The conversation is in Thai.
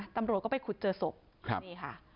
ตำรวจก็ไปขุดเจอศพครับนี่ค่ะ